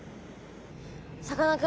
さかなクン